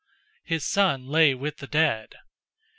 His son lay with the dead.